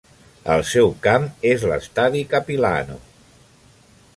El seu camp és l'estadi Capilano.